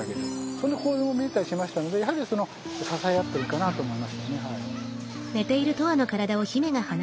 そんな行動を見たりしましたのでやはりその支え合っているかなと思いましたねはい。